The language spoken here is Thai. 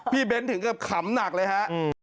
พี่เบ้นถึงก็ขำหนักเลยฮะ